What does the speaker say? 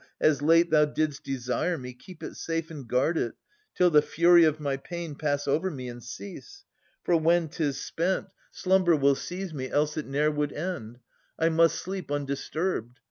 As late thou didst desire me, keep it safe And guard it, till the fury of my pain Pass over me and cease. For when 'tis spent. 294 Philodetes [766 800 Slumber will seize me, else it ne'er would end. I must sleep undisturbed.